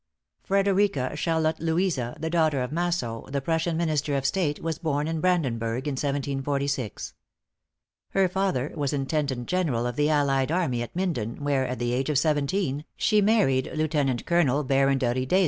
Frederica Charlotte Louisa, the daughter of Mas sow, the Prussian Minister of State, was born in Brandenburgh, in 1746. Her father was Intendant General of the allied army at Minden, where, at the age of seventeen, she married Lieutenant Colonel Baron de Riedesel.